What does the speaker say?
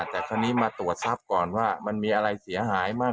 แต่คราวนี้มาตรวจทรัพย์ก่อนว่ามันมีอะไรเสียหายมาก